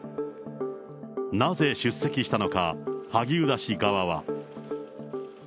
なぜ出席したのか、萩生田氏側は。